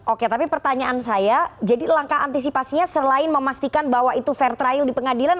oke tapi pertanyaan saya jadi langkah antisipasinya selain memastikan bahwa itu fair trial di pengadilan